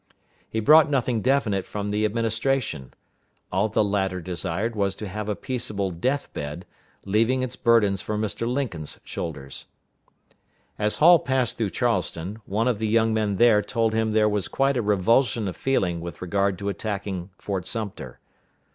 He brought nothing definite from the Administration. All the latter desired was to have a peaceable death bed, leaving its burdens for Mr. Lincoln's shoulders. As Hall passed through Charleston, one of the young men there told him there was quite a revulsion of feeling with regard to attacking Fort Sumter.